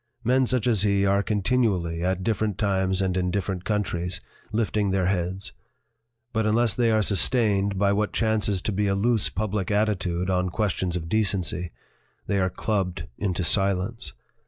Men such as he are continually, at different times and in different countries, lifting their heads. But unless they are sustained by what chances to be a loose public attitude on questions of decency, they are clubbed into silence.